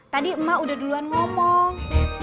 tadi emak udah duluan ngomong